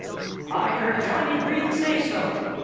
"I heard Johnnie Green say so.